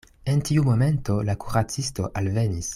En tiu momento la kuracisto alvenis.